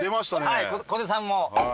はい小手さんも。